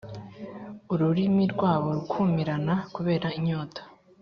ururimi rwabo rukumirana kubera inyota;